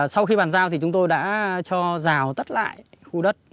sau khi bàn giao thì chúng tôi đã cho rào tất lại khu đất